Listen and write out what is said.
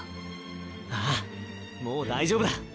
ああもう大丈夫だ！